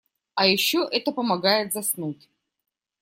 А ещё это помогает заснуть.